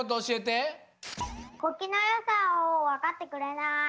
国旗のよさをわかってくれない。